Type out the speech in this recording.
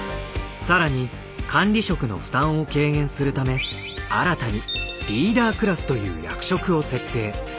更に管理職の負担を軽減するため新たに「リーダークラス」という役職を設定。